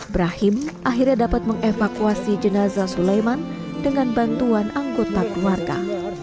brahim akhirnya dapat mengevakuasi jenazah sulaiman dengan bantuan anggota keluarga